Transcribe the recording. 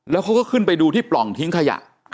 แล้วเขาก็ขึ้นไปดูที่ปล่องทิ้งขยะ